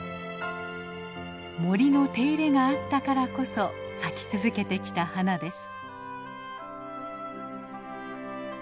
森の手入れがあったからこそ咲き続けてきた花です。